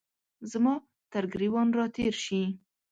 زما ترګریوان را تیر شي